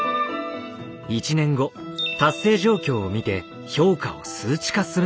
１年後達成状況を見て評価を数値化するのです。